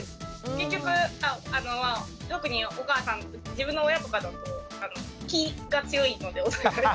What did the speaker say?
結局特にお母さん自分の親とかだと気が強いのでお互い。